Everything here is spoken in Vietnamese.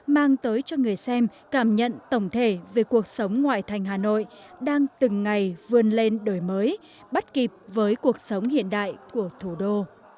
mang tới cho người xem cảm nhận tổng thể về cuộc sống ngoại thành hà nội đang từng ngày vươn lên đổi mới bắt kịp với cuộc sống hiện đại của thủ đô